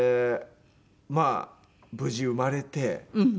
まあ無事生まれて。